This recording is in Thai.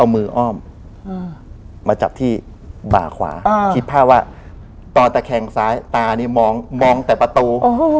มาจับที่บ่าขวาคิดภาพว่าตอนแต่แข่งซ้ายตานี่มองแต่ประตู